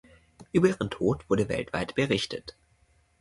Über ihren Tod wurde weltweit berichtet.